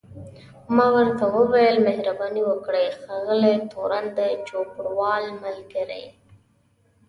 ما ورته وویل مهرباني وکړئ ښاغلی تورن، د چوپړوال ملګری.